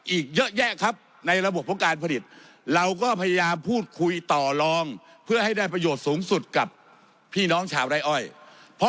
อีกเยอะแยะครับในระบบโปรงการผลิต